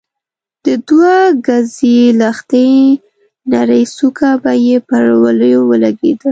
د دوه ګزۍ لښتې نرۍ څوکه به يې پر وليو ولګېده.